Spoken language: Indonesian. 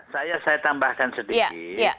saya tambahkan sedikit